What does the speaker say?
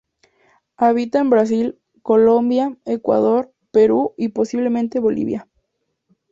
Habita en Brasil, Colombia, Ecuador, Perú y posiblemente Bolivia.